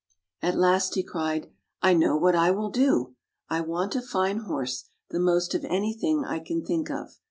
At last he cried, " I know what I will do. I want a fine horse the most of anything I can think of.